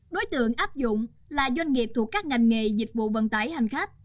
đối tượng áp dụng là doanh nghiệp thuộc các ngành nghề dịch vụ vận tải hành khách